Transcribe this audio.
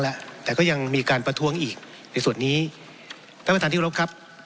แล้วแต่ก็ยังมีการประท้วงอีกในส่วนนี้ท่านประธานที่กรบครับ